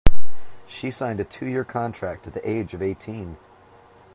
She signed a two-year contract at the age of eighteen.